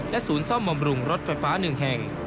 ศูนย์ซ่อมบำรุงรถไฟฟ้า๑แห่ง